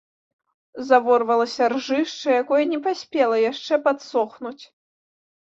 Заворвалася ржышча, якое не паспела яшчэ падсохнуць.